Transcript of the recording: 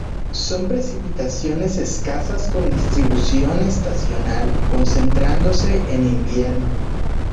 Son precipitaciones escasas con distribución estacional, concentrándose en invierno.